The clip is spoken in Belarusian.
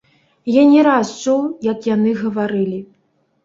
Я не раз чуў, як яны гаварылі.